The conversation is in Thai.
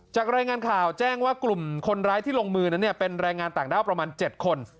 รายงานข่าวแจ้งว่ากลุ่มคนร้ายที่ลงมือนั้นเป็นแรงงานต่างด้าวประมาณ๗คน